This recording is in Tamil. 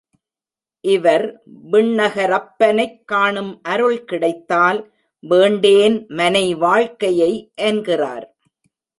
இவர் விண்ணகரப்பனைக் காணும் அருள் கிடைத்தால் வேண்டேன் மனை வாழ்க்கையை என்கிறார்.